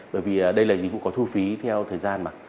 bởi vì đây là dịch vụ có thu phí theo thời gian mà